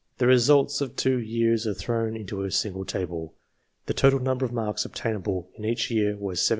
The results of two years are thrown into a single table. The total number of marks obtainable in each year was 17,000.